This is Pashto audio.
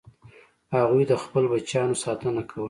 هغوی د خپلو بچیانو ساتنه کوله.